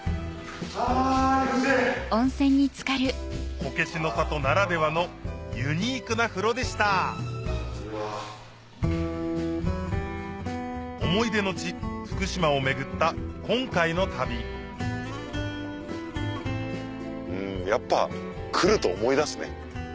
こけしの里ならではのユニークな風呂でした思い出の地福島を巡った今回の旅やっぱ来ると思い出すね。